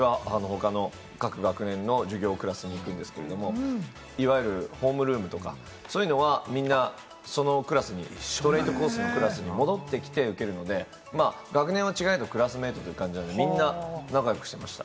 だから授業を受けるときは他の各学年の授業、クラスに行くんですけれど、いわゆるホームルームとか、そういうのはみんなそのクラスに戻ってきて受けるので、学年は違えど、クラスメートという感じなんで、みんな仲良くしてました。